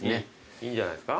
いいじゃないですか。